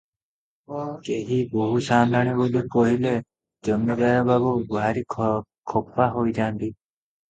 କେହି ବୋହୁ ସାନ୍ତାଣୀ ବୋଲି କହିଲେ ଜମିଦାର ବାବୁ ଭାରି ଖପା ହୋଇଯାଆନ୍ତି ।